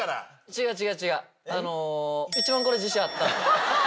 違う違う違う。